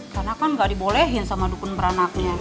karna kan ga dibolehin sama dukun beranaknya